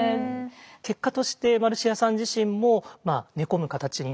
結果としてマルシアさん自身も寝込む形になって。